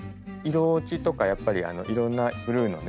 色落ちとかやっぱりいろんなブルーのね